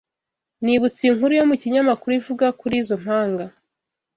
Nibutse inkuru yo mu kinyamakuru ivuga kuri izo mpanga.